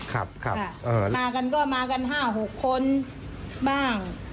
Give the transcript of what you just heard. ครับมากันก็มากัน๕๖คนบ้าง